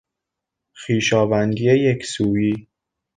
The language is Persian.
خویشاوندی یک سویی